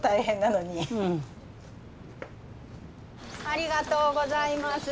ありがとうございます。